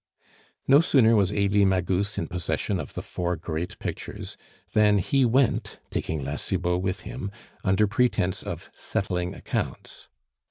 No sooner was Elie Magus in possession of the four great pictures than he went, taking La Cibot with him, under pretence of settling accounts.